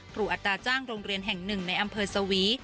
อัตราจ้างโรงเรียนแห่งหนึ่งในอำเภอสวี